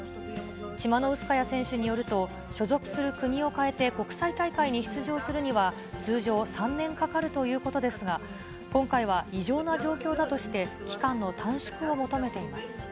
チマノウスカヤ選手によると、所属する国を変えて国際大会に出場するには、通常、３年かかるということですが、今回は異常な状況だとして、期間の短縮を求めています。